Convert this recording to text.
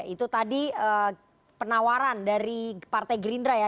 itu tadi penawaran dari partai gerindra ya